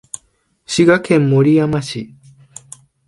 滋賀県守山市